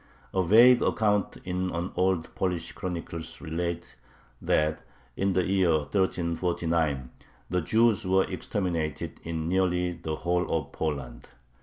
A vague account in an old Polish chronicle relates that in the year 1349 the Jews were exterminated "in nearly the whole of Poland."